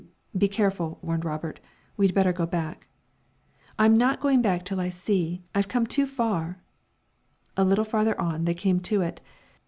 "Be careful," warned Robert, "we'd better go back." "I'm not going back till I see. I've come too far!" A little farther on, they came to it.